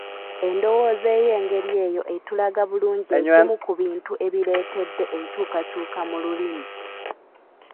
Endowooza ey’engeri eyo etulaga bulungi ekimu ku bintu ebireetedde enkyukakyuka mu lulimi